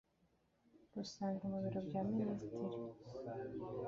rusange mu Biro bya Minisitiri